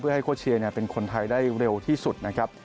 ให้โค้ชเชียร์เป็นคนไทยได้เร็วที่สุดนะครับ